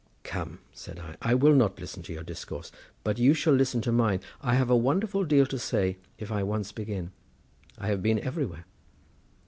"Come," said I, "I will not listen to your discourse, but you shall listen to mine. I have a wonderful deal to say if I once begin; I have been everywhere."